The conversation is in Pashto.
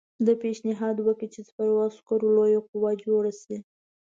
ده پېشنهاد وکړ چې سپرو عسکرو لویه قوه جوړه شي.